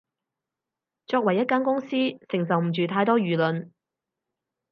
作為一間公司，承受唔住太多輿論